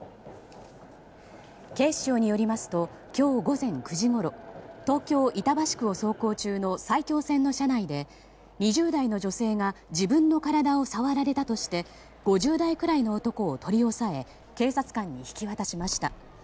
警視庁によりますと今日午前９時ごろ東京・板橋区を走行中の埼京線の車内で２０代の女性が自分の体を触られたとして５０代くらいの男を取り押さえ警察官に引き渡しました。